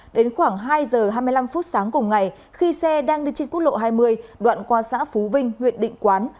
đến khoảng hai giờ hai mươi năm phút sáng cùng ngày khi xe đang đi trên quốc lộ hai mươi đoạn qua xã phú vinh huyện định quán